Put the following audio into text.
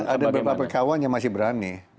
ada beberapa kawan yang masih berani